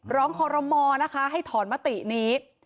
ร้องขอรมอนะคะให้ทอน๒๔มนี้